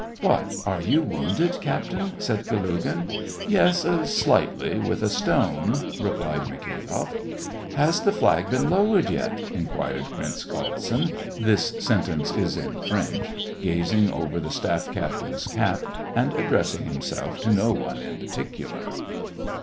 " What, are you wounded, captain ?" said Kalugin. "Yes, slightly, with a stone," replied Mikha'f loff. Has the flag been lowered yet .?"* inquired Prince Galtsin, gazing over the staff captain*s cap, and addressing himself to no one in par ticular.